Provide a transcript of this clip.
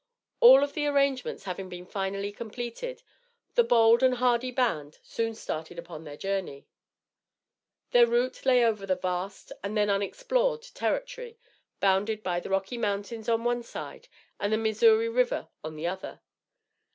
All of the arrangements having been finally completed, the bold and hardy band soon started upon their journey. Their route lay over the vast, and then unexplored territory, bounded by the Rocky Mountains on the one side, and the Missouri River on the other.